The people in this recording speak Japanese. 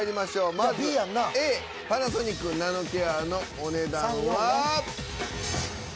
まずＡ「パナソニック」ナノケアのお値段は。